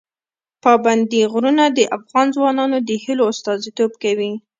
پابندي غرونه د افغان ځوانانو د هیلو استازیتوب کوي.